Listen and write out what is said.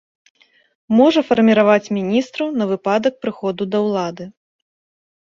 Можа фарміраваць міністраў на выпадак прыходу да ўлады.